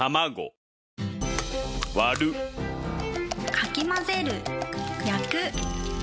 かき混ぜる焼く。